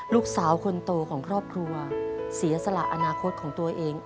ลูกสาวคนโตของครอบครัวเสียสละอนาคตของตัวเอง